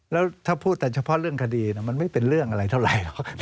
แล้วถ้าพูดกันเฉพาะเรื่องคดีมันไม่เป็นเรื่องอะไรเท่าไหร่